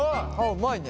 うまいね。